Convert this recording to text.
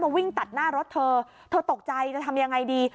วิ่งตัดหน้ารถเธอเธอตกใจจะทำยังไงดี